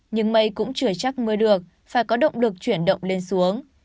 nhưng mây cũng chưa chắc mưa được phải có động lực chuyển động lên xuống